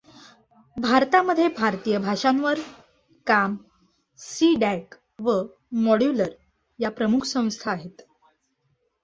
भारतामध्ये भारतीय भाषांवर काम सी डॅक व मॉड्युलर या प्रमुख संस्था आहेत.